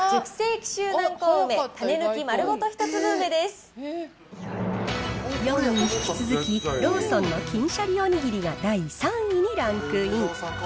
紀州南高梅種抜きまるごと一４位に引き続き、ローソンの金しゃりおにぎりが第３位にランクイン。